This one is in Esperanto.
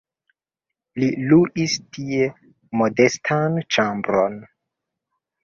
Li luis tie modestan ĉambron.